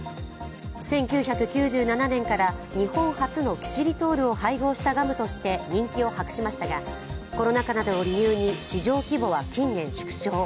１９９７年から日本初のキシリトールを配合したガムとして人気を博しましたがコロナ禍などを理由に市場規模は近年縮小。